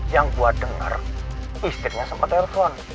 yang gue denger istrinya sempet telepon